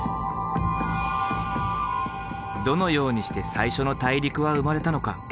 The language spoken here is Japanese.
どのようにして最初の大陸は生まれたのか？